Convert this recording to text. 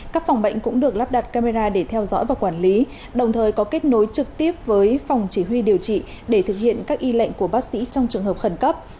các phòng bệnh cũng được lắp đặt camera để theo dõi và quản lý đồng thời có kết nối trực tiếp với phòng chỉ huy điều trị để thực hiện các y lệnh của bác sĩ trong trường hợp khẩn cấp